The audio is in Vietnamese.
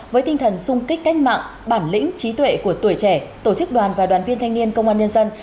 với tinh thần sung kích cách mạng bản lĩnh trí tuệ của tuổi trẻ tổ chức đoàn và đoàn viên thanh niên công an nhân dân